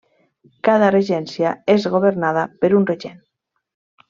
Cada regència és governada per un regent.